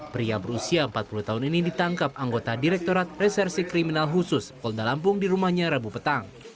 pria berusia empat puluh tahun ini ditangkap anggota direktorat resersi kriminal khusus polda lampung di rumahnya rabu petang